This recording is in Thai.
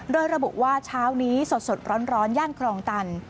โดยระบุว่าเช้านี้สดร้อนย่านครองตัน